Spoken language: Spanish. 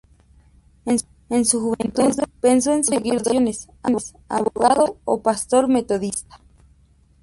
En su juventud, pensó en seguir dos vocaciones, abogado o pastor metodista.